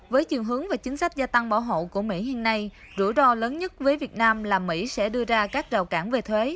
với chiều hướng và chính sách gia tăng bảo hộ của mỹ hiện nay rủi ro lớn nhất với việt nam là mỹ sẽ đưa ra các rào cản về thuế